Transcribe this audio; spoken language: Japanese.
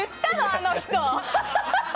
あの人。